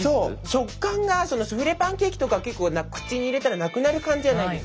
食感がスフレパンケーキとかは結構口に入れたらなくなる感じじゃないですか。